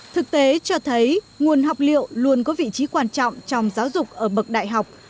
thực tế cho thấy nguồn học liệu luôn có vị trí quan trọng trong giáo dục ở bậc đại học